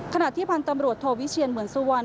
ขณะที่พันธ์ตำรวจโทวิเชียนเหมือนสุวรรณ